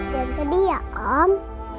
jangan sedih ya om